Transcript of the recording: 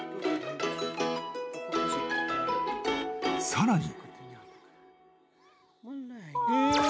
［さらに］